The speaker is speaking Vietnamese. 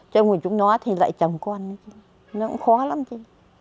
trông một chú non thì lại trồng con nó cũng khó lắm chứ